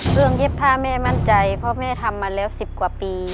เรื่องเย็บผ้าแม่มั่นใจเพราะแม่ทำมาแล้ว๑๐กว่าปี